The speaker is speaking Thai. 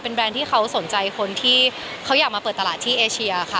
แรนด์ที่เขาสนใจคนที่เขาอยากมาเปิดตลาดที่เอเชียค่ะ